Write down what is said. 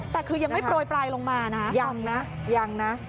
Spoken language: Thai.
แต่คือยังไม่โปรยปลายลงมานะยังนะยังนะ